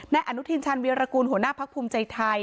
และอนุทีชาญวิวรกูลหัวหน้าภัคพิมพ์ภูมิใจไทย